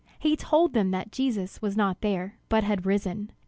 He told them that Jesus was not there, but had risen.